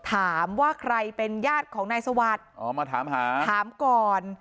ถามว่าใครเป็นญาติของนายสวัสดิ์อ๋อมาถามหาถามก่อน